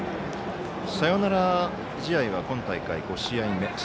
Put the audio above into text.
サヨナラ試合は今大会４回目。